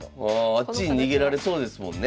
あっちに逃げられそうですもんね。